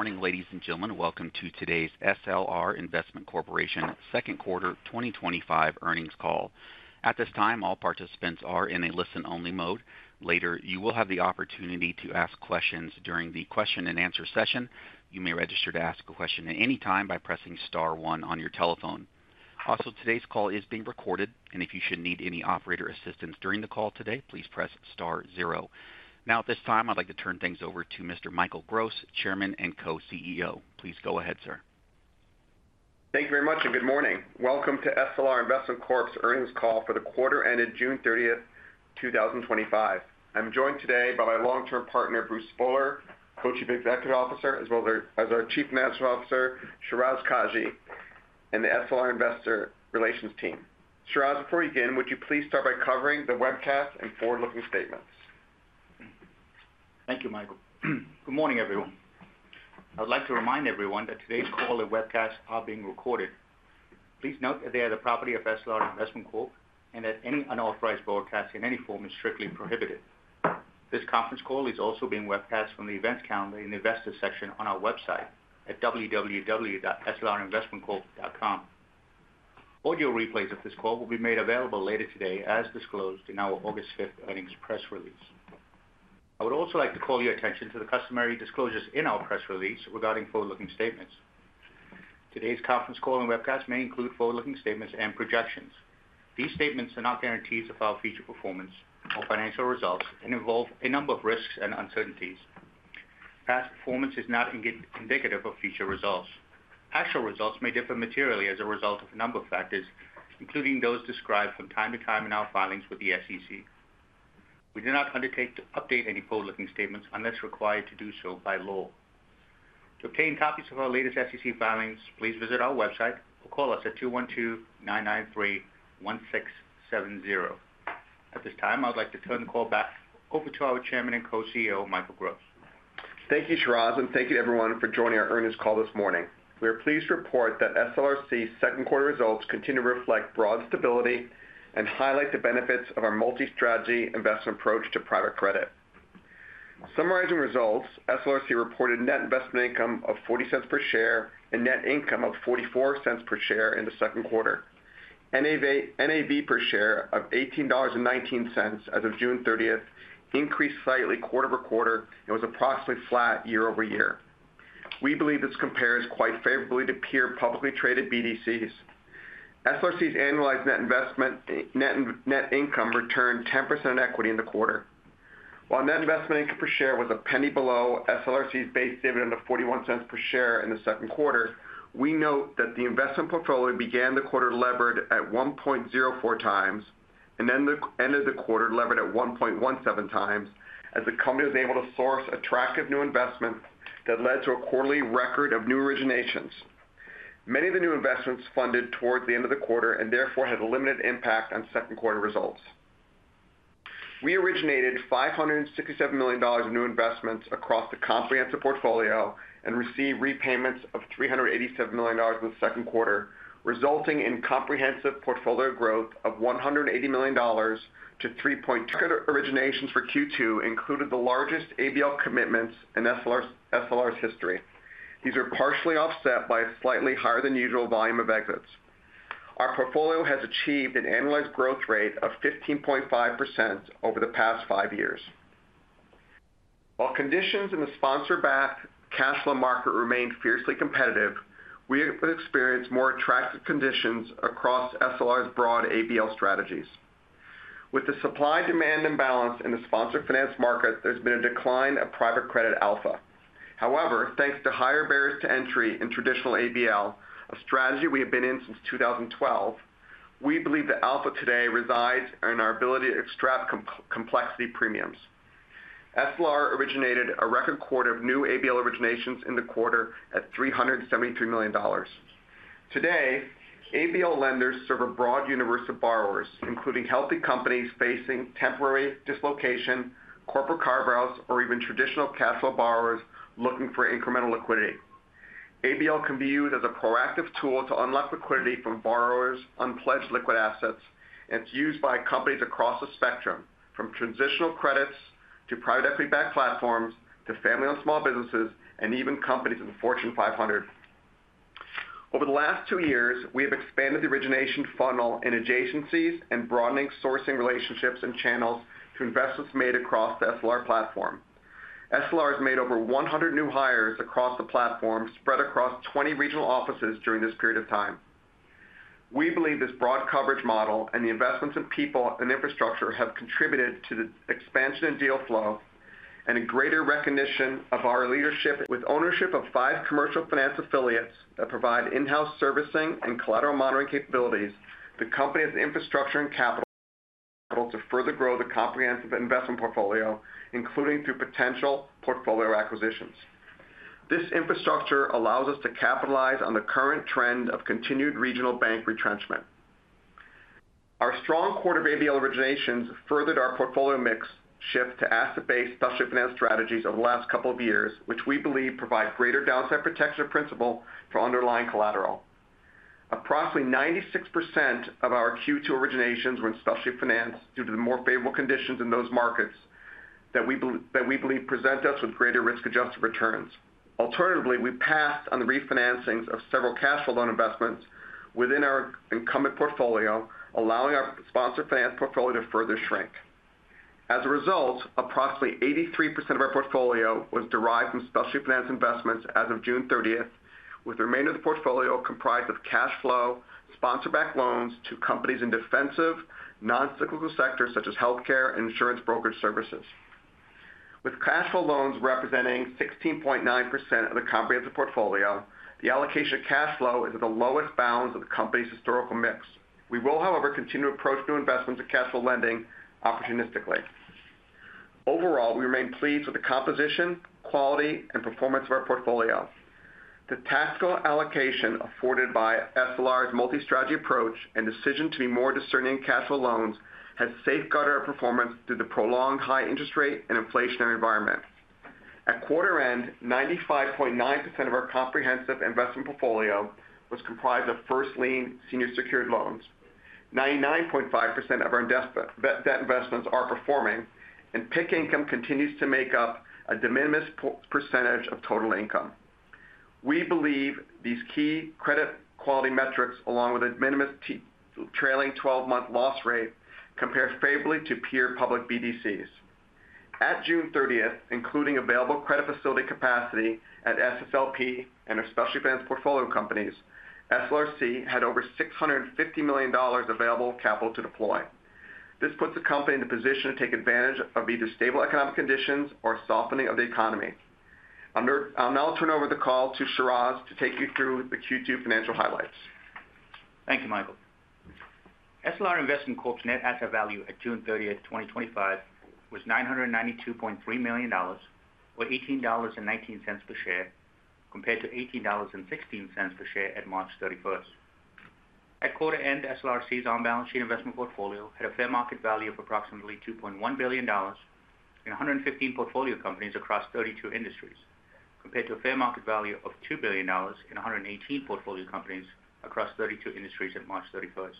Morning, ladies and gentlemen. Welcome to today's SLR Investment Corporation second quarter 2025 earnings call. At this time, all participants are in a listen-only mode. Later, you will have the opportunity to ask questions during the question-and-answer session. You may register to ask a question at any time by pressing star one on your telephone. Also, today's call is being recorded, and if you should need any operator assistance during the call today, please press star zero. Now, at this time, I'd like to turn things over to Mr. Michael Gross, Chairman and Co-CEO. Please go ahead, sir. Thank you very much and good morning. Welcome to SLR Investment Corp's earnings call for the quarter ended June 30th, 2025. I'm joined today by my long-term partner, Bruce Spohler, Co-Chief Executive Officer, as well as our Chief Manager Officer, Shiraz Kajee, and the SLR Investor Relations team. Shiraz, before we begin, would you please start by covering the webcast and forward-looking statements. Thank you, Michael. Good morning, everyone. I would like to remind everyone that today's call and webcast are being recorded. Please note that they are the property of SLR Investment Corp, and that any unauthorized broadcast in any form is strictly prohibited. This conference call is also being webcast from the events calendar in the Investor section on our website at www.slrinvestmentcorp.com. Audio replays of this call will be made available later today, as disclosed in our August 5th earnings press release. I would also like to call your attention to the customary disclosures in our press release regarding forward-looking statements. Today's conference call and webcast may include forward-looking statements and projections. These statements are not guarantees of our future performance or financial results and involve a number of risks and uncertainties. Past performance is not indicative of future results. Past results may differ materially as a result of a number of factors, including those described from time to time in our filings with the SEC. We do not undertake to update any forward-looking statements unless required to do so by law. To obtain copies of our latest SEC filings, please visit our website or call us at 212-993-1670. At this time, I would like to turn the call back over to our Chairman and Co-CEO, Michael Gross. Thank you, Shiraz, and thank you, everyone, for joining our earnings call this morning. We are pleased to report that SLRC's second quarter results continue to reflect broad stability and highlight the benefits of our multi-strategy investment approach to private credit. Summarizing results, SLR Investment Corp. reported net investment income of $0.40 per share and net income of $0.44 per share in the second quarter. NAV per share of $18.19 as of June 30th increased slightly quarter-over-quarter and was approximately flat year-over-year. We believe this compares quite favorably to peer publicly traded BDCs. SLRC's annualized net investment income returned 10% in equity in the quarter. While net investment income per share was a penny below SLRC's base dividend of $0.41 per share in the second quarter, we note that the investment portfolio began the quarter levered at 1.04x and ended the quarter levered at 1.17x as the company was able to source attractive new investments that led to a quarterly record of new originations. Many of the new investments funded towards the end of the quarter and therefore had a limited impact on second quarter results. We originated $567 million in new investments across the comprehensive portfolio and received repayments of $387 million in the second quarter, resulting in comprehensive portfolio growth of $180 million to $3.2 billion. Quarter originations for Q2 included the largest ABL commitments in SLRC's history. These are partially offset by a slightly higher than usual volume of exits. Our portfolio has achieved an annualized growth rate of 15.5% over the past five years. While conditions in the sponsor-backed cash flow market remain fiercely competitive, we have experienced more attractive conditions across SLR's broad ABL strategies. With the supply-demand imbalance in the sponsor finance market, there's been a decline of private credit alpha. However, thanks to higher barriers to entry in traditional ABL, a strategy we have been in since 2012, we believe the alpha today resides in our ability to extract complexity premiums. SLR originated a record quarter of new ABL originations in the quarter at $373 million. Today, ABL lenders serve a broad universe of borrowers, including healthy companies facing temporary dislocation, corporate carve-outs, or even traditional cash flow borrowers looking for incremental liquidity. ABL can be used as a proactive tool to unlock liquidity from borrowers' unpledged liquid assets, and it's used by companies across the spectrum from transitional credits to private equity-backed platforms to family-owned small businesses and even companies in the Fortune 500. Over the last two years, we have expanded the origination funnel and adjacencies and broadened sourcing relationships and channels to investments made across the SLR platform. SLR has made over 100 new hires across the platform spread across 20 regional offices during this period of time. We believe this broad coverage model and the investments in people and infrastructure have contributed to the expansion in deal flow and a greater recognition of our leadership. With ownership of five commercial finance affiliates that provide in-house servicing and collateral monitoring capabilities, the company has the infrastructure and capital to further grow the comprehensive investment portfolio, including through potential portfolio acquisitions. This infrastructure allows us to capitalize on the current trend of continued regional bank retrenchment. Our strong quarter of ABL originations furthered our portfolio mix shift to asset-based specialty finance strategies over the last couple of years, which we believe provide greater downside protection of principal for underlying collateral. Approximately 96% of our Q2 originations were in specialty finance due to the more favorable conditions in those markets that we believe present us with greater risk-adjusted returns. Alternatively, we passed on the refinancings of several cash flow loan investments within our incumbent portfolio, allowing our sponsor finance portfolio to further shrink. As a result, approximately 83% of our portfolio was derived from specialty finance investments as of June 30th, with the remainder of the portfolio comprised of cash flow sponsor-backed loans to companies in defensive, non-cyclical sectors such as healthcare and insurance brokerage services. With cash flow loans representing 16.9% of the comprehensive portfolio, the allocation of cash flow is at the lowest bounds of the company's historical mix. We will, however, continue to approach new investments in cash flow lending opportunistically. Overall, we remain pleased with the composition, quality, and performance of our portfolio. The tactical allocation afforded by SLR's multi-strategy approach and decision to be more discerning in cash flow loans has safeguarded our performance through the prolonged high interest rate and inflationary environment. At quarter end, 95.9% of our comprehensive investment portfolio was comprised of first lien senior secured loans. 99.5% of our debt investments are performing, and PIK income continues to make up a de minimis percentage of total income. We believe these key credit quality metrics, along with a de minimis trailing 12-month loss rate, compare favorably to peer public BDCs. At June 30th, including available credit facility capacity at SSLP and our specialty finance portfolio companies, SLRC had over $650 million available capital to deploy. This puts the company in the position to take advantage of either stable economic conditions or softening of the economy. I'll now turn over the call to Shiraz to take you through the Q2 financial highlights. Thank you, Michael. SLR Investment Corp's net asset value at June 30th, 2025, was $992.3 million, or $18.19 per share, compared to $18.16 per share at March 31st. At quarter end, SLR Investment Corp.'s on-balance sheet investment portfolio had a fair market value of approximately $2.1 billion in 115 portfolio companies across 32 industries, compared to a fair market value of $2 billion in 118 portfolio companies across 32 industries at March 31st.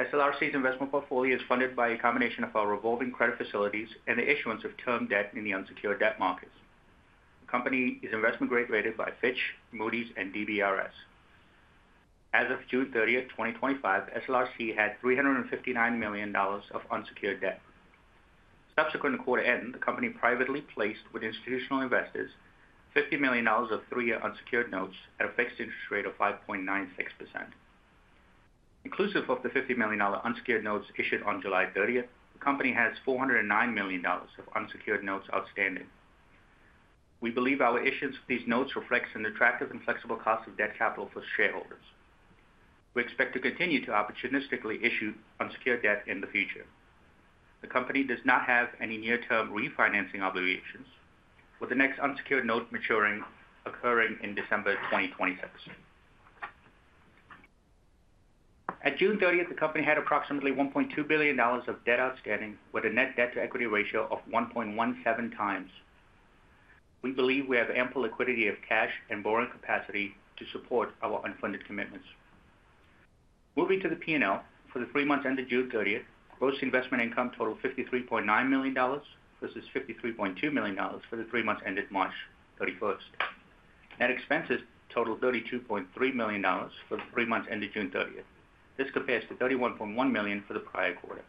SLRC's investment portfolio is funded by a combination of our revolving credit facilities and the issuance of term debt in the unsecured debt markets. The company is investment-grade rated by Fitch, Moody’s, and DBRS. As of June 30th, 2025, SLRC had $359 million of unsecured debt. Subsequent to quarter end, the company privately placed with institutional investors $50 million of three-year unsecured notes at a fixed interest rate of 5.96%. Inclusive of the $50 million unsecured notes issued on July 30th, the company has $409 million of unsecured notes outstanding. We believe our issuance of these notes reflects an attractive and flexible cost of debt capital for shareholders. We expect to continue to opportunistically issue unsecured debt in the future. The company does not have any near-term refinancing obligations, with the next unsecured note maturing in December 2026. At June 30th, the company had approximately $1.2 billion of debt outstanding, with a net debt-to-equity ratio of 1.17x. We believe we have ample liquidity of cash and borrowing capacity to support our unfunded commitments. Moving to the P&L for the three months ended June 30th, gross investment income totaled $53.9 million vs $53.2 million for the three months ended March 31st. Net expenses totaled $32.3 million for the three months ended June 30th. This compares to $31.1 million for the prior quarter.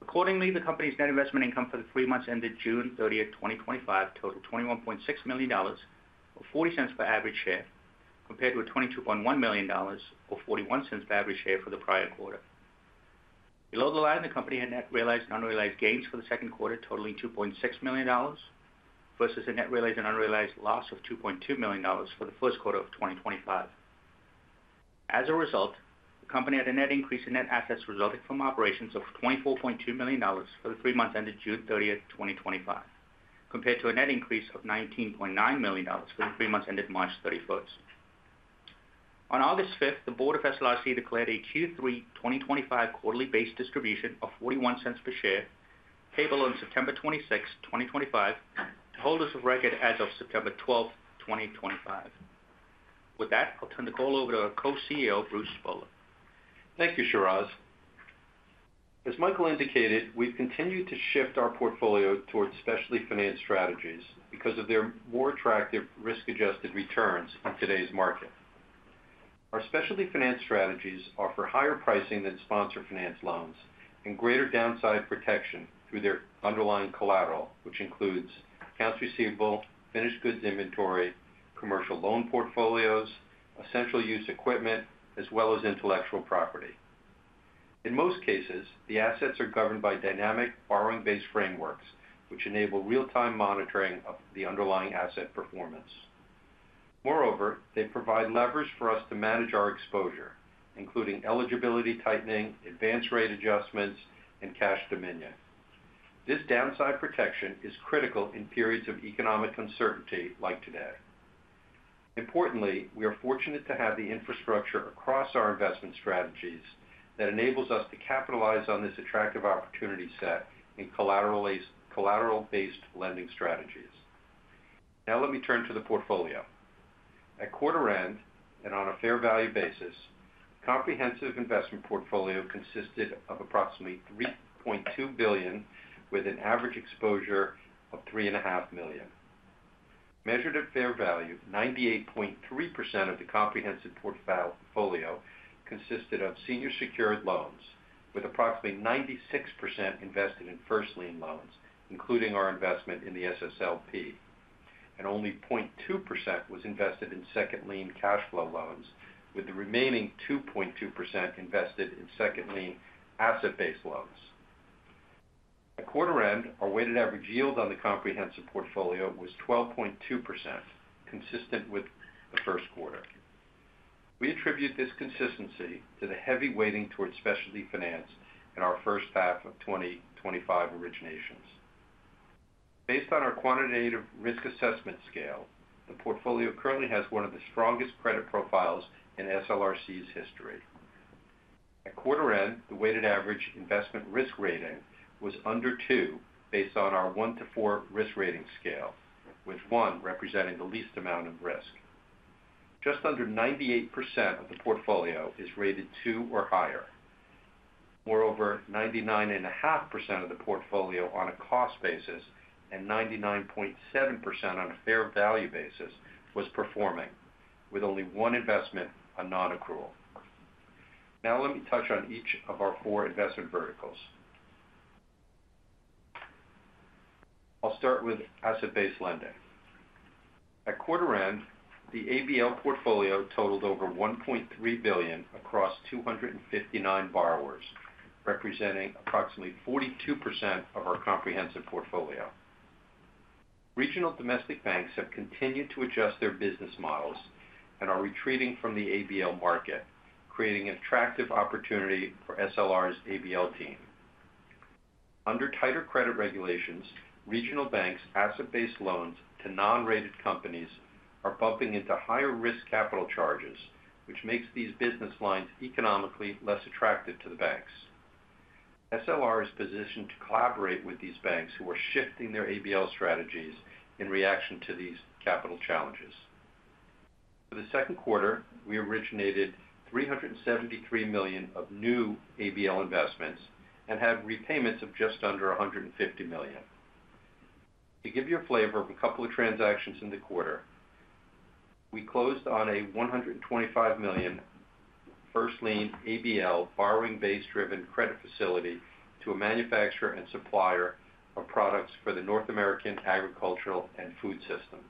Accordingly, the company's net investment income for the three months ended June 30th, 2025, totaled $21.6 million, or $0.40 per average share, compared to $22.1 million or $0.41 per average share for the prior quarter. Below the line, the company had net realized and unrealized gains for the second quarter, totaling $2.6 million vs a net realized and unrealized loss of $2.2 million for the first quarter of 2025. As a result, the company had a net increase in net assets resulting from operations of $24.2 million for the three months ended June 30th, 2025, compared to a net increase of $19.9 million for the three months ended March 31st. On August 5th, the Board of SLRC declared a Q3 2025 quarterly base distribution of $0.41 per share, payable on September 26th, 2025, to holders of record as of September 12th, 2025. With that, I'll turn the call over to our Co-CEO, Bruce Spohler. Thank you, Shiraz. As Michael indicated, we've continued to shift our portfolio towards specialty finance strategies because of their more attractive risk-adjusted returns in today's market. Our specialty finance strategies offer higher pricing than sponsor finance loans and greater downside protection through their underlying collateral, which includes accounts receivable, finished goods inventory, commercial loan portfolios, essential use equipment, as well as intellectual property. In most cases, the assets are governed by dynamic borrowing-based frameworks, which enable real-time monitoring of the underlying asset performance. Moreover, they provide levers for us to manage our exposure, including eligibility tightening, advance rate adjustments, and cash dominion. This downside protection is critical in periods of economic uncertainty like today. Importantly, we are fortunate to have the infrastructure across our investment strategies that enables us to capitalize on this attractive opportunity set in collateral-based lending strategies. Now let me turn to the portfolio. At quarter end, and on a fair value basis, the comprehensive investment portfolio consisted of approximately $3.2 billion, with an average exposure of $3.5 million. Measured at fair value, 98.3% of the comprehensive portfolio consisted of senior secured loans, with approximately 96% invested in first lien loans, including our investment in the SSLP, and only 0.2% was invested in second lien cash flow loans, with the remaining 2.2% invested in second lien asset-based loans. At quarter end, our weighted average yield on the comprehensive portfolio was 12.2%, consistent with the first quarter. We attribute this consistency to the heavy weighting towards specialty finance in our first half of 2025 originations. Based on our quantitative risk assessment scale, the portfolio currently has one of the strongest credit profiles in SLRC's history. At quarter end, the weighted average investment risk rating was under two based on our 1-4 risk rating scale, with one representing the least amount of risk. Just under 98% of the portfolio is rated two or higher. Moreover, 99.5% of the portfolio on a cost basis and 99.7% on a fair value basis was performing, with only one investment on non-accrual. Now let me touch on each of our four investment verticals. I'll start with Asset-Based Lending. At quarter end, the ABL portfolio totaled over $1.3 billion across 259 borrowers, representing approximately 42% of our comprehensive portfolio. Regional domestic banks have continued to adjust their business models and are retreating from the ABL market, creating an attractive opportunity for SLR's ABL team. Under tighter credit regulations, regional banks' asset-based loans to non-rated companies are bumping into higher risk capital charges, which makes these business lines economically less attractive to the banks. SLR is positioned to collaborate with these banks who are shifting their ABL strategies in reaction to these capital challenges. For the second quarter, we originated $373 million of new ABL investments and had repayments of just under $150 million. To give you a flavor of a couple of transactions in the quarter, we closed on a $125 million first lien ABL borrowing base driven credit facility to a manufacturer and supplier of products for the North American agricultural and food system.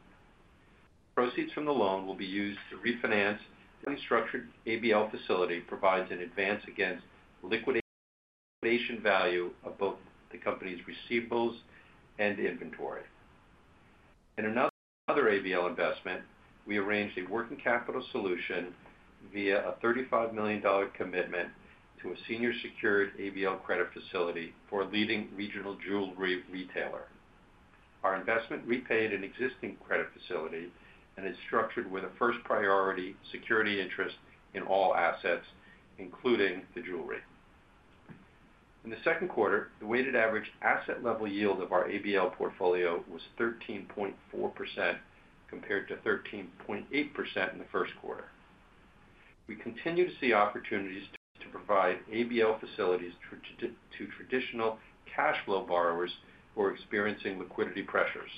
Proceeds from the loan will be used to refinance. The structured ABL facility provides an advance against liquidation value of both the company's receivables and inventory. In another ABL investment, we arranged a working capital solution via a $35 million commitment to a senior secured ABL credit facility for a leading regional jewelry retailer. Our investment repaid an existing credit facility and is structured with a first-priority security interest in all assets, including the jewelry. In the second quarter, the weighted average asset level yield of our ABL portfolio was 13.4% compared to 13.8% in the first quarter. We continue to see opportunities to provide ABL facilities to traditional cash flow borrowers who are experiencing liquidity pressures.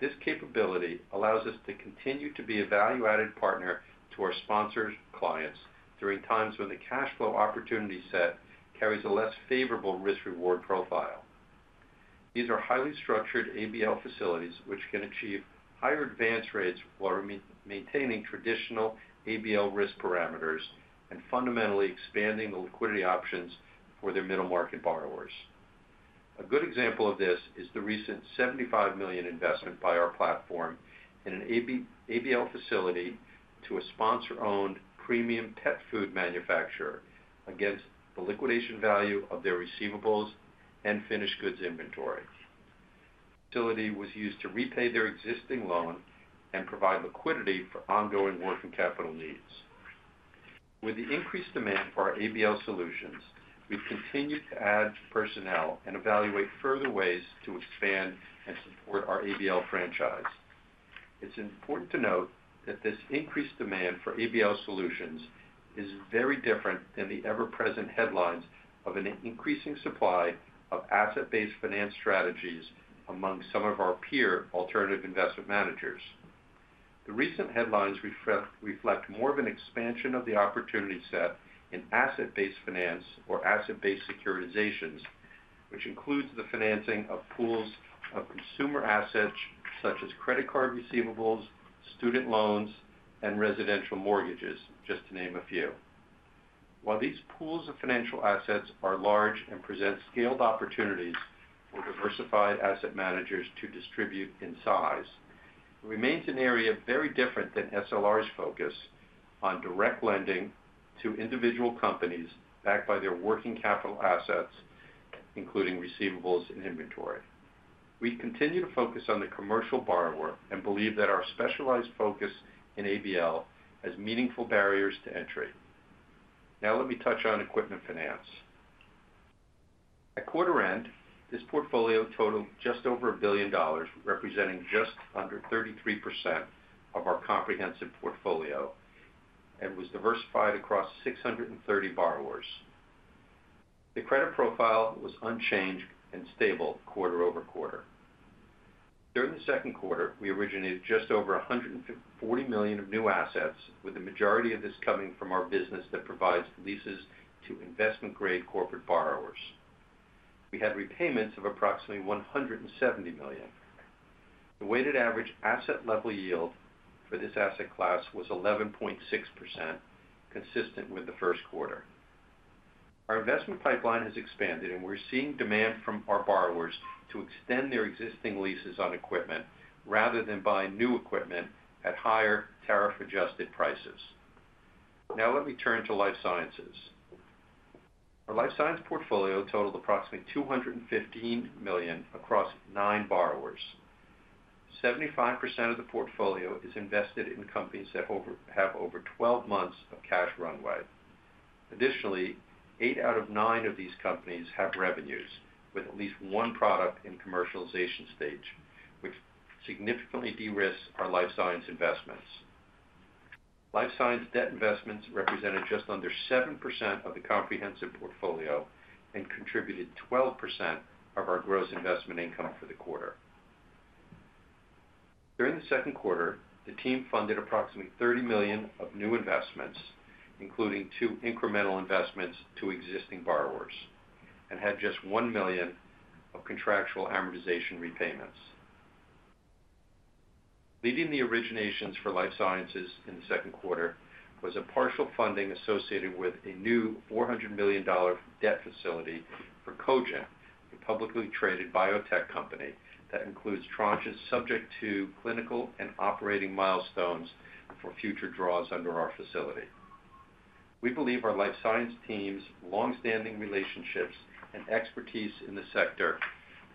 This capability allows us to continue to be a value-added partner to our sponsor's clients during times when the cash flow opportunity set carries a less favorable risk-reward profile. These are highly structured ABL facilities which can achieve higher advance rates while maintaining traditional ABL risk parameters and fundamentally expanding the liquidity options for their middle-market borrowers. A good example of this is the recent $75 million investment by our platform in an ABL facility to a sponsor-owned premium pet food manufacturer against the liquidation value of their receivables and finished goods inventory. The facility was used to repay their existing loan and provide liquidity for ongoing working capital needs. With the increased demand for our ABL solutions, we've continued to add personnel and evaluate further ways to expand and support our ABL franchise. It's important to note that this increased demand for ABL solutions is very different than the ever-present headlines of an increasing supply of asset-based finance strategies among some of our peer alternative investment managers. The recent headlines reflect more of an expansion of the opportunity set in asset-based finance or asset-based securitizations, which includes the financing of pools of consumer assets such as credit card receivables, student loans, and residential mortgages, just to name a few. While these pools of financial assets are large and present scaled opportunities for diversified asset managers to distribute in size, it remains an area very different than SLR's focus on direct lending to individual companies backed by their working capital assets, including receivables and inventory. We continue to focus on the commercial borrower and believe that our specialized focus in ABL has meaningful barriers to entry. Now let me touch on equipment finance. At quarter end, this portfolio totaled just over $1 billion, representing just under 33% of our comprehensive portfolio and was diversified across 630 borrowers. The credit profile was unchanged and stable quarter over quarter. During the second quarter, we originated just over $140 million of new assets, with the majority of this coming from our business that provides leases to investment-grade corporate borrowers. We had repayments of approximately $170 million. The weighted average asset level yield for this asset class was 11.6%, consistent with the first quarter. Our investment pipeline has expanded, and we're seeing demand from our borrowers to extend their existing leases on equipment rather than buy new equipment at higher tariff-adjusted prices. Now let me turn to life sciences. Our life science portfolio totaled approximately $215 million across nine borrowers. 75% of the portfolio is invested in companies that have over 12 months of cash runway. Additionally, eight out of nine of these companies have revenues with at least one product in commercialization stage, which significantly de-risked our life science investments. Life science debt investments represented just under 7% of the comprehensive portfolio and contributed 12% of our gross investment income for the quarter. During the second quarter, the team funded approximately $30 million of new investments, including two incremental investments to existing borrowers, and had just $1 million of contractual amortization repayments. Leading the originations for life sciences in the second quarter was a partial funding associated with a new $400 million debt facility for Cogent, a publicly traded biotech company that includes tranches subject to clinical and operating milestones for future draws under our facility. We believe our life science team's longstanding relationships and expertise in the sector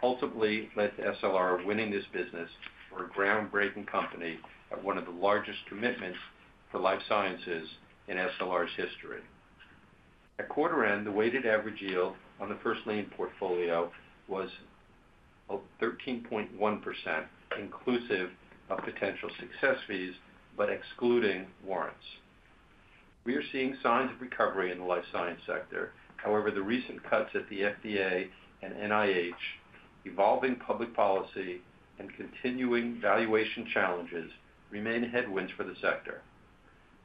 ultimately led to SLR winning this business for a groundbreaking company at one of the largest commitments for life sciences in SLR's history. At quarter end, the weighted average yield on the first lien portfolio was 13.1%, inclusive of potential success fees but excluding warrants. We are seeing signs of recovery in the life science sector. However, the recent cuts at the FDA and NIH, evolving public policy, and continuing valuation challenges remain headwinds for the sector.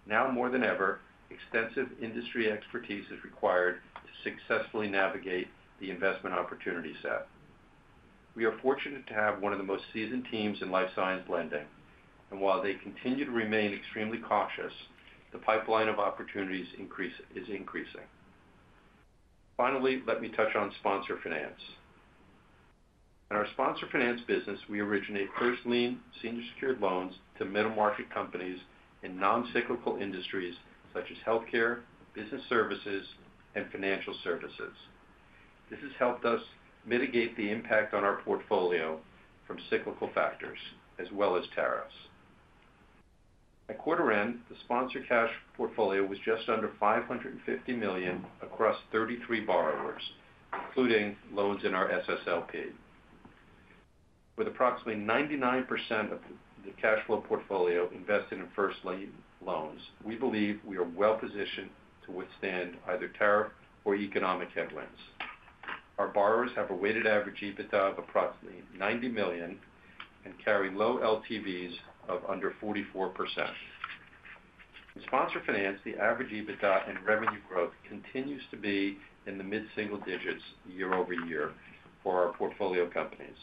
Now more than ever, extensive industry expertise is required to successfully navigate the investment opportunity set. We are fortunate to have one of the most seasoned teams in life science lending, and while they continue to remain extremely cautious, the pipeline of opportunities is increasing. Finally, let me touch on Sponsor Finance. In our Sponsor Finance business, we originate first lien senior secured loans to middle-market companies in non-cyclical industries such as healthcare, business services, and financial services. This has helped us mitigate the impact on our portfolio from cyclical factors as well as tariffs. At quarter end, the sponsor cash portfolio was just under $550 million across 33 borrowers, including loans in our SSLP. With approximately 99% of the cash flow portfolio invested in first lien loans, we believe we are well positioned to withstand either tariff or economic headwinds. Our borrowers have a weighted average EBITDA of approximately $90 million and carry low LTVs of under 44%. In sponsor finance, the average EBITDA and revenue growth continues to be in the mid-single digits year-over-year for our portfolio companies.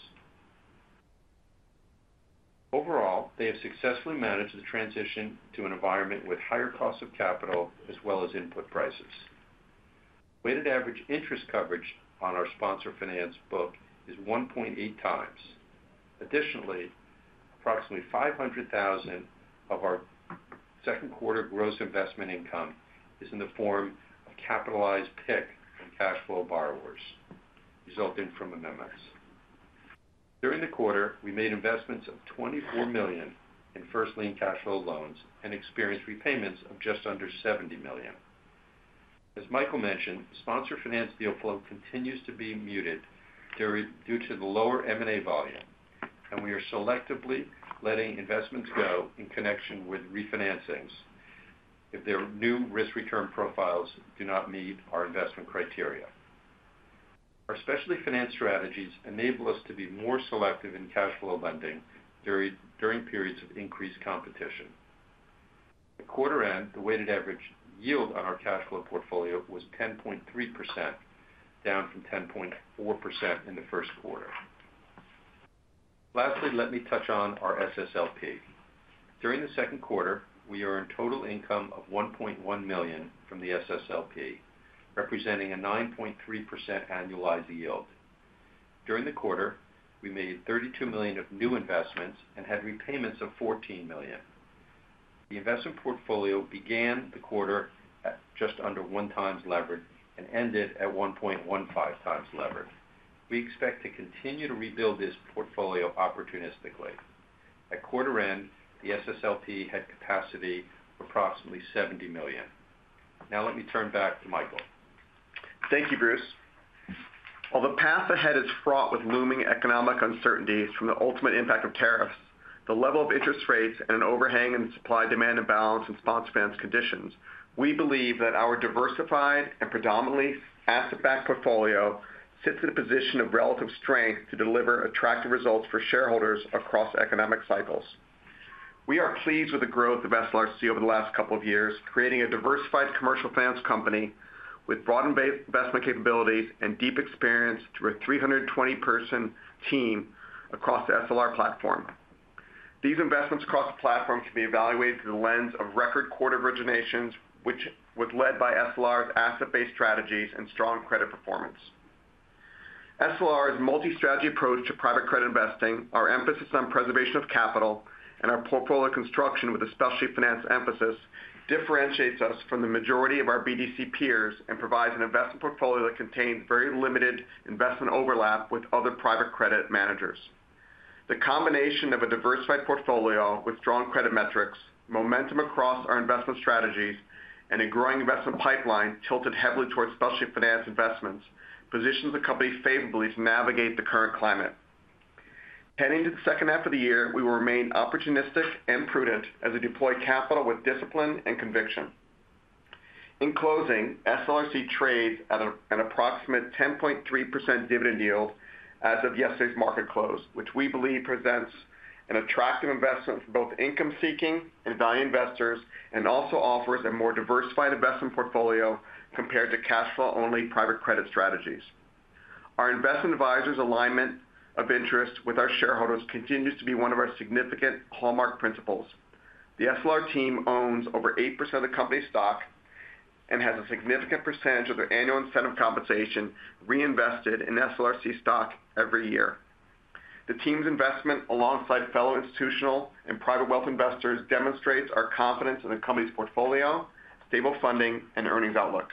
Overall, they have successfully managed the transition to an environment with higher costs of capital as well as input prices. Weighted average interest coverage on our sponsor finance book is 1.8x. Additionally, approximately $500,000 of our second quarter gross investment income is in the form of capitalized PIK from cash flow borrowers resulting from MMX. During the quarter, we made investments of $24 million in first lien cash flow loans and experienced repayments of just under $70 million. As Michael mentioned, Sponsor Finance deal flow continues to be muted due to the lower M&A volume, and we are selectively letting investments go in connection with refinancings if their new risk return profiles do not meet our investment criteria. Our specialty finance strategies enable us to be more selective in cash flow lending during periods of increased competition. At quarter end, the weighted average yield on our cash flow portfolio was 10.3%, down from 10.4% in the first quarter. Lastly, let me touch on our SSLP. During the second quarter, we earned a total income of $1.1 million from the SSLP, representing a 9.3% annualized yield. During the quarter, we made $32 million of new investments and had repayments of $14 million. The investment portfolio began the quarter at just under one times levered and ended at 1.15 times levered. We expect to continue to rebuild this portfolio opportunistically. At quarter end, the SSLP had capacity of approximately $70 million. Now let me turn back to Michael. Thank you, Bruce. While the path ahead is fraught with looming economic uncertainty from the ultimate impact of tariffs, the level of interest rates, and an overhang in the supply-demand imbalance in sponsor finance conditions, we believe that our diversified and predominantly asset-backed portfolio sits in a position of relative strength to deliver attractive results for shareholders across economic cycles. We are pleased with the growth of SLRC over the last couple of years, creating a diversified commercial finance company with broad investment capabilities and deep experience through a 320-person team across the SLR platform. These investments across the platform can be evaluated through the lens of record quarter originations, which was led by SLR's asset-based strategies and strong credit performance. SLR's multi-strategy approach to private credit investing, our emphasis on preservation of capital, and our portfolio construction with a specialty finance emphasis differentiates us from the majority of our BDC peers and provides an investment portfolio that contains very limited investment overlap with other private credit managers. The combination of a diversified portfolio with strong credit metrics, momentum across our investment strategies, and a growing investment pipeline tilted heavily towards specialty finance investments positions the company favorably to navigate the current climate. Heading to the second half of the year, we will remain opportunistic and prudent as we deploy capital with discipline and conviction. In closing, SLRC trades at an approximate 10.3% dividend yield as of yesterday's market close, which we believe presents an attractive investment for both income-seeking and value investors and also offers a more diversified investment portfolio compared to cash flow-only private credit strategies. Our investment advisors' alignment of interest with our shareholders continues to be one of our significant hallmark principles. The SLR team owns over 8% of the company's stock and has a significant percentage of their annual incentive compensation reinvested in SLRC stock every year. The team's investment alongside fellow institutional and private wealth investors demonstrates our confidence in the company's portfolio, stable funding, and earnings outlook.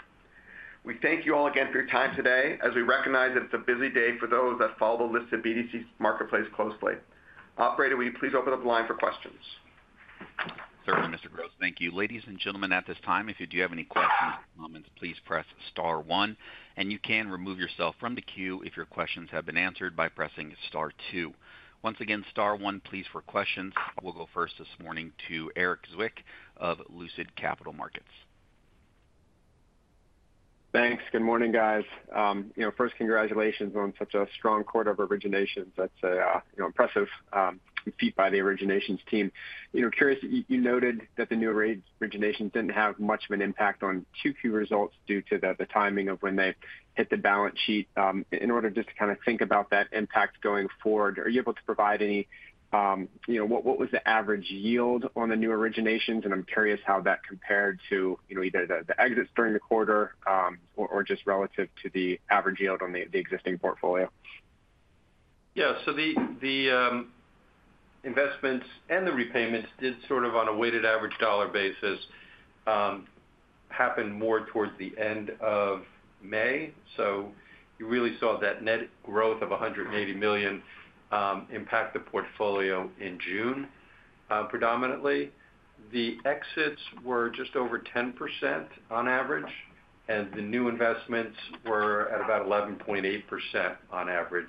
We thank you all again for your time today as we recognize that it's a busy day for those that follow the list of BDCs marketplace closely. Operator, will you please open up the line for questions? Certainly, Mr. Gross, thank you. Ladies and gentlemen, at this time, if you do have any questions, please press star one, and you can remove yourself from the queue if your questions have been answered by pressing star two. Once again, star one, please, for questions. We'll go first this morning to Erik Zwick of Lucid Capital Markets. Thanks. Good morning, guys. First, congratulations on such a strong quarter of originations. That's an impressive feat by the originations team. You noted that the new originations didn't have much of an impact on Q2 results due to the timing of when they hit the balance sheet. In order just to think about that impact going forward, are you able to provide any, what was the average yield on the new originations? I'm curious how that compared to either the exits during the quarter or just relative to the average yield on the existing portfolio? The investments and the repayments did sort of on a weighted average dollar basis happen more toward the end of May. You really saw that net growth of $180 million impact the portfolio in June. Predominantly, the exits were just over 10% on average, and the new investments were at about 11.8% on average.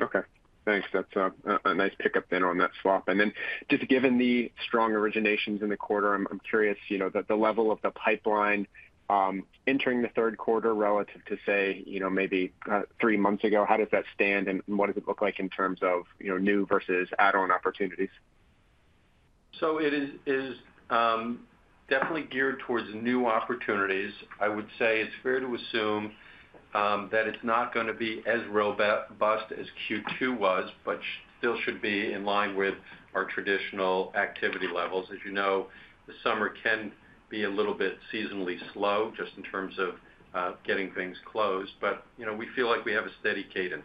Okay, thanks. That's a nice pickup on that swap. Given the strong originations in the quarter, I'm curious, the level of the pipeline entering the third quarter relative to, say, maybe three months ago, how does that stand and what does it look like in terms of new vs add-on opportunities? It is definitely geared towards new opportunities. I would say it's fair to assume that it's not going to be as robust as Q2 was, but still should be in line with our traditional activity levels. As you know, the summer can be a little bit seasonally slow just in terms of getting things closed, but you know, we feel like we have a steady cadence.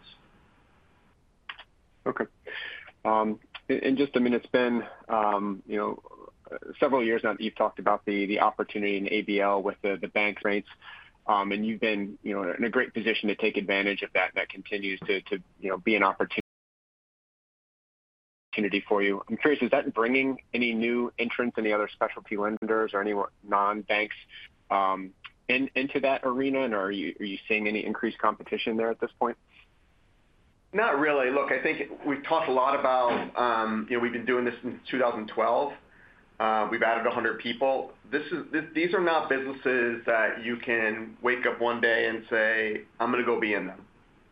Okay. It's been several years now that you've talked about the opportunity in ABL with the bank rates, and you've been in a great position to take advantage of that. That continues to be an opportunity for you. I'm curious, is that bringing any new entrants, any other specialty lenders or any non-banks into that arena, and are you seeing any increased competition there at this point? Not really. Look, I think we've talked a lot about, you know, we've been doing this since 2012. We've added 100 people. These are not businesses that you can wake up one day and say, "I'm going to go be in them."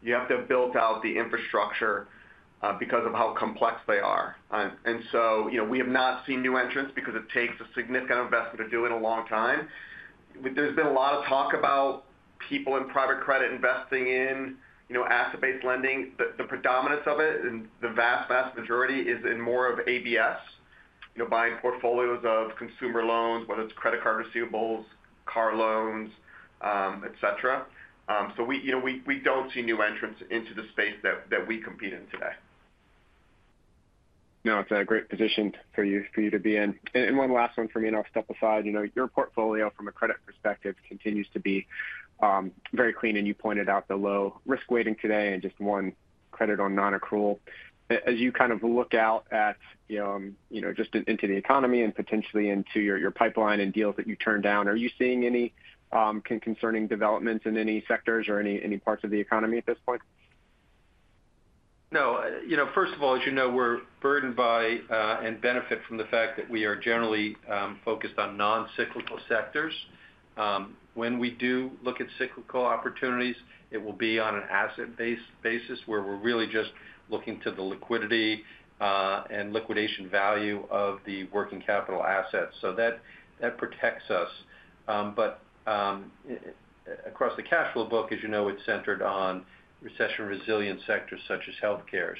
You have to have built out the infrastructure because of how complex they are. We have not seen new entrants because it takes a significant investment to do it a long time. There's been a lot of talk about people in private credit investing in, you know, asset-based lending. The predominance of it and the vast, vast majority is in more of ABS, you know, buying portfolios of consumer loans, whether it's credit card receivables, car loans, et cetera. We don't see new entrants into the space that we compete in today. It's a great position for you to be in. One last one for me, and I'll step aside. Your portfolio from a credit perspective continues to be very clean, and you pointed out the low risk weighting today and just one credit on non-accrual. As you look out at the economy and potentially into your pipeline and deals that you turn down, are you seeing any concerning developments in any sectors or any parts of the economy at this point? No. First of all, as you know, we're burdened by and benefit from the fact that we are generally focused on non-cyclical sectors. When we do look at cyclical opportunities, it will be on an asset-based basis where we're really just looking to the liquidity and liquidation value of the working capital assets. That protects us. Across the cash flow book, as you know, it's centered on recession-resilient sectors such as healthcare.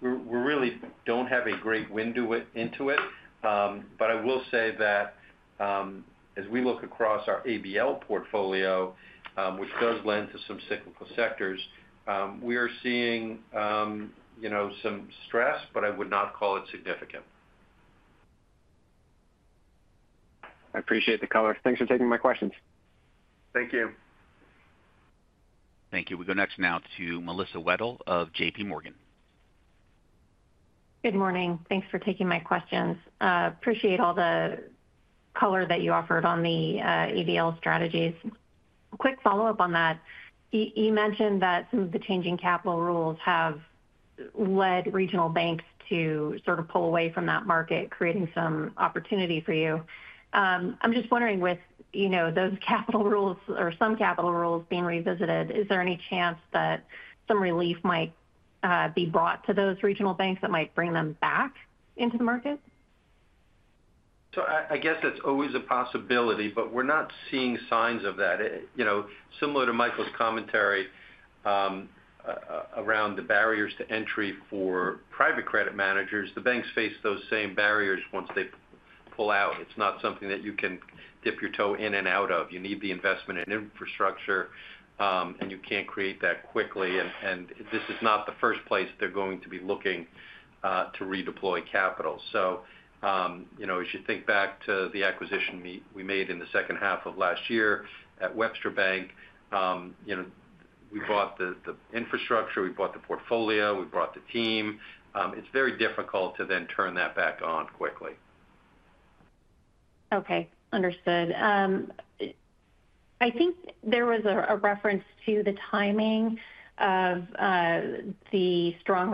We really don't have a great window into it. I will say that as we look across our ABL portfolio, which does lend to some cyclical sectors, we are seeing some stress, but I would not call it significant. I appreciate the color. Thanks for taking my questions. Thank you. Thank you. We go next now to Melissa Wedel of JPMorgan. Good morning. Thanks for taking my questions. Appreciate all the color that you offered on the ABL strategies. A quick follow-up on that. You mentioned that some of the changing capital rules have led regional banks to sort of pull away from that market, creating some opportunity for you. I'm just wondering, with those capital rules or some capital rules being revisited, is there any chance that some relief might be brought to those regional banks that might bring them back into the market? That's always a possibility, but we're not seeing signs of that. Similar to Michael's commentary around the barriers to entry for private credit managers, the banks face those same barriers once they pull out. It's not something that you can dip your toe in and out of. You need the investment and infrastructure, and you can't create that quickly. This is not the first place they're going to be looking to redeploy capital. As you think back to the acquisition we made in the second half of last year at Webster Bank, we bought the infrastructure, we bought the portfolio, we brought the team. It's very difficult to then turn that back on quickly. Okay, understood. I think there was a reference to the timing of the strong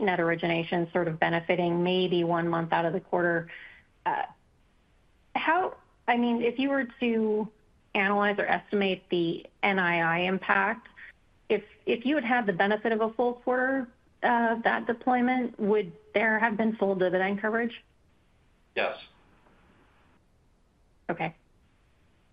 net originations sort of benefiting maybe one month out of the quarter. If you were to analyze or estimate the NII impact, if you had had the benefit of a full quarter of that deployment, would there have been full dividend coverage? Yes. Okay.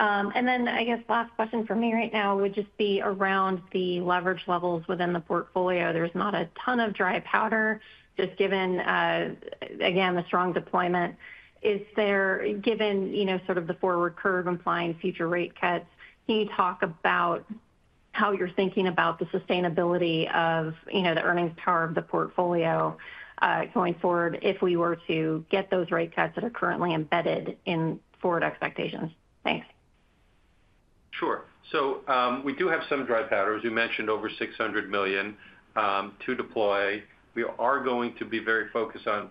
I guess, last question for me right now would just be around the leverage levels within the portfolio. There's not a ton of dry powder, just given the strong deployment. Is there, given the forward curve implying future rate cuts, can you talk about how you're thinking about the sustainability of the earnings power of the portfolio going forward if we were to get those rate cuts that are currently embedded in forward expectations? Thanks. Sure. We do have some dry powder, as you mentioned, over $600 million to deploy. We are going to be very focused on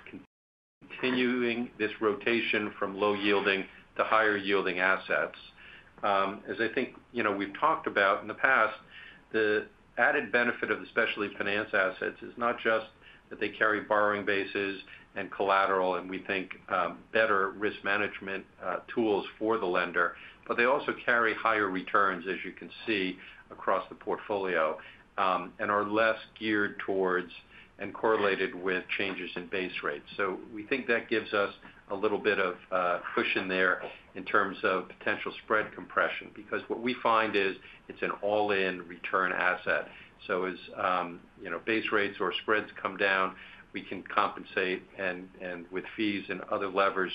continuing this rotation from low-yielding to higher-yielding assets. As I think you know, we've talked about in the past, the added benefit of the specialty finance assets is not just that they carry borrowing bases and collateral and we think better risk management tools for the lender, but they also carry higher returns, as you can see, across the portfolio and are less geared towards and correlated with changes in base rates. We think that gives us a little bit of push in there in terms of potential spread compression because what we find is it's an all-in return asset. As base rates or spreads come down, we can compensate and with fees and other levers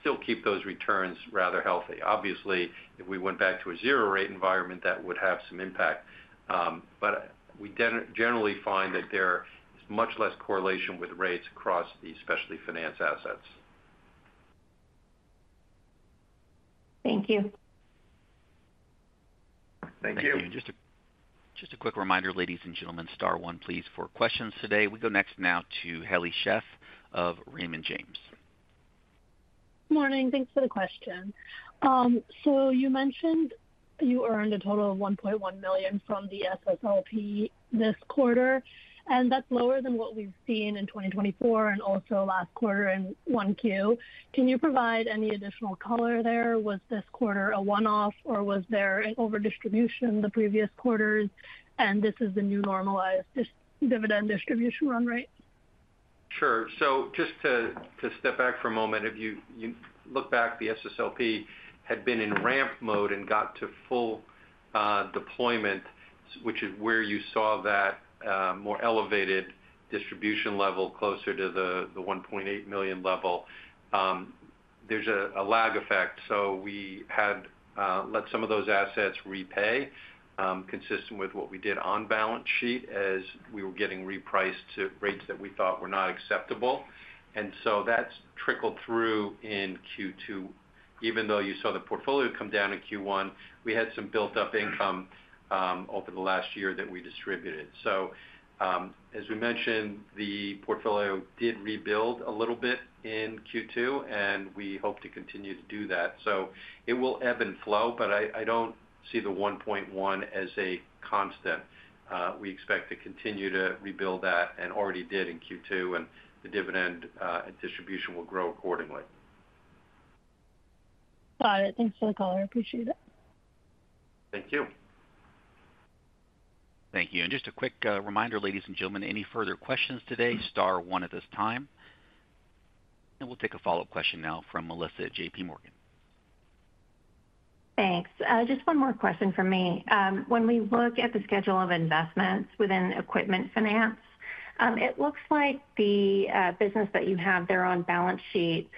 still keep those returns rather healthy. Obviously, if we went back to a zero-rate environment, that would have some impact. We generally find that there is much less correlation with rates across the specialty finance assets. Thank you. Thank you. Just a quick reminder, ladies and gentlemen, star one, please, for questions today. We go next now to Heli Sheth of Raymond James. Morning. Thanks for the question. You mentioned you earned a total of $1.1 million from the SSLP this quarter, and that's lower than what we've seen in 2024 and also last quarter in 1Q. Can you provide any additional color there? Was this quarter a one-off, or was there an overdistribution the previous quarters, and this is the new normalized dividend distribution run rate? Sure. Just to step back for a moment, if you look back, the SSLP had been in ramp mode and got to full deployment, which is where you saw that more elevated distribution level closer to the $1.8 million level. There's a lag effect. We had let some of those assets repay, consistent with what we did on balance sheet as we were getting repriced to rates that we thought were not acceptable. That's trickled through in Q2. Even though you saw the portfolio come down in Q1, we had some built-up income over the last year that we distributed. As we mentioned, the portfolio did rebuild a little bit in Q2, and we hope to continue to do that. It will ebb and flow, but I don't see the $1.1 million as a constant. We expect to continue to rebuild that and already did in Q2, and the dividend distribution will grow accordingly. Got it. Thanks for the call. I appreciate it. Thank you. Thank you. Just a quick reminder, ladies and gentlemen, any further questions today, star one at this time. We'll take a follow-up question now from Melissa at JPMorgan. Thanks. Just one more question from me. When we look at the schedule of investments within equipment finance, it looks like the business that you have there on balance sheet,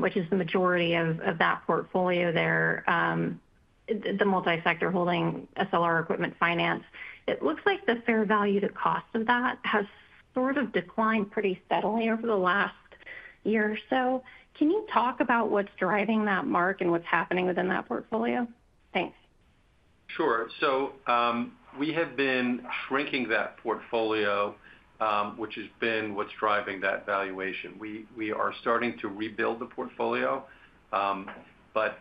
which is the majority of that portfolio there, the multi-sector holding SLR Equipment Finance, it looks like the fair value to cost of that has sort of declined pretty steadily over the last year or so. Can you talk about what's driving that mark and what's happening within that portfolio? Thanks. We have been shrinking that portfolio, which has been what's driving that valuation. We are starting to rebuild the portfolio, but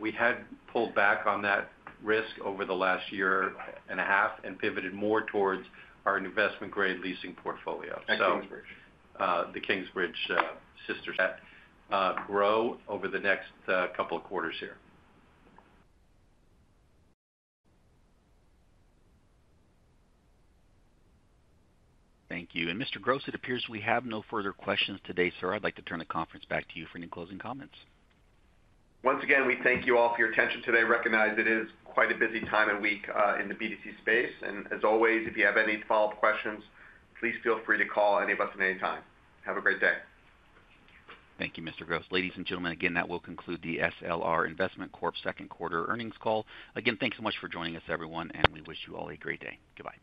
we had pulled back on that risk over the 1.5 years and pivoted more towards our investment-grade leasing portfolio. At Kingsbridge? The Kingsbridge sister that grow over the next couple of quarters here. Thank you. Mr. Gross, it appears we have no further questions today. I'd like to turn the conference back to you for any closing comments. Once again, we thank you all for your attention today. We recognize it is quite a busy time of week in the BDC space. As always, if you have any follow-up questions, please feel free to call any of us at any time. Have a great day. Thank you, Mr. Gross. Ladies and gentlemen, that will conclude the SLR Investment Corp's second quarter earnings call. Again, thanks so much for joining us, everyone, and we wish you all a great day. Goodbye.